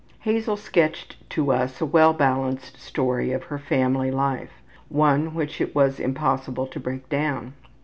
Hazel sketched to us a well balanced story of her family life; one which it was impossible to break down.